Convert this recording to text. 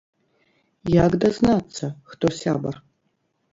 Як дазнацца, хто сябар?